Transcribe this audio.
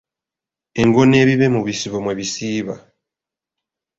Engo n’ebibe mu bisibo mwe bisiiba.